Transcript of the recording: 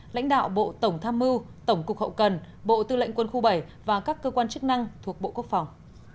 lãnh đạo bộ tổng tham mưu tổng cục hậu cần bộ tư lệnh quân khu bảy và các cơ quan chức năng thuộc bộ quốc phòng